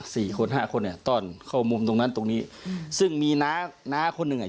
สี่คนห้าคนเนี้ยต้อนเข้ามุมตรงนั้นตรงนี้อืมซึ่งมีน้าน้าคนหนึ่งอ่ะ